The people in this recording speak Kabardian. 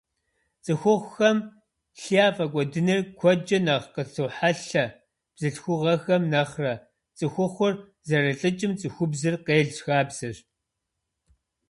Цӏыхухъухэм лъы яфӏэкӏуэдыныр куэдкӏэ нэхъ къатохьэлъэ бзылъхугъэхэм нэхърэ — цӏыхухъур зэрылӏыкӏым цӏыхубзыр къел хабзэщ.